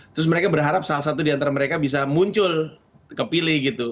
terus mereka berharap salah satu diantara mereka bisa muncul kepilih gitu